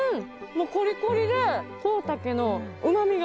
もうコリコリでコウタケのうまみがごはんにも。